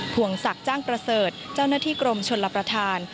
วงศักดิ์จ้างประเสริฐเจ้าหน้าที่กรมชนรับประทาน